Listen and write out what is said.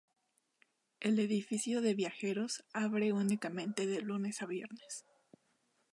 El edificio de viajeros abre únicamente de lunes a viernes.